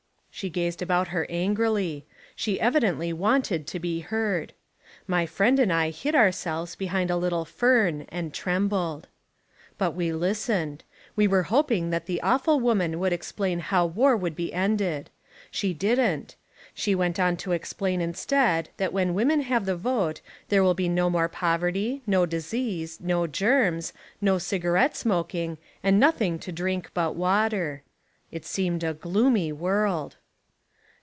She gazed about her angrily. She evidently wanted to be heard. My friend and I hid our selves behind a little fern and trembled. But we listened. We were hoping that the Awful Woman would explain how war would be ended. She didn't. She went on to explain instead that when women have the vote there will be no more poverty, no disease, no germs, no cigarette smoking and nothing to drink but water. It seemed a gloomy world.